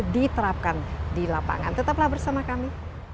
diterapkan di lapangan tetaplah bersama kami